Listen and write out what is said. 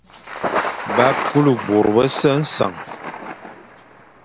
Ba kule bo bese nseñ,